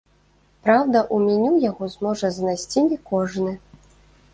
Праўда, у меню яго зможа знайсці не кожны.